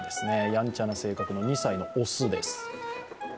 やんちゃな性格の２歳の雄です。